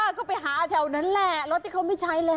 เออก็ไปหาแถวนั้นรถที่เขาไม่ใช้แล้ว